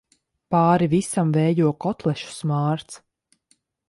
Pāri visam vējo kotlešu smārds.